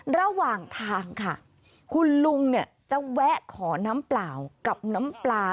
ระหว่างทางค่ะคุณลุงเนี่ยจะแวะขอน้ำเปล่ากับน้ำปลา